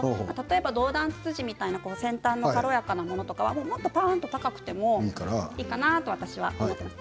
ドウダンツツジみたいな先端の軽やかなものは高くてもいいかなと私は思っています。